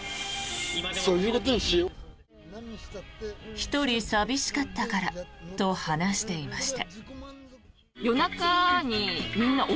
１人寂しかったからと話していました。